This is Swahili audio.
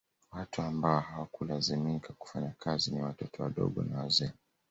Watu ambao hawakulazimika kufanya kazi ni watoto wadogo na wazee